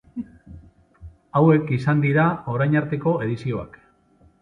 Hauek izan dira orain arteko edizioak.